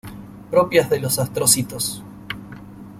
Propias de los astrocitos.